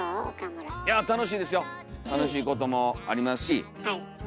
楽しいこともあります。